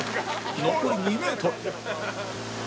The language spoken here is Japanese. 残り２メートル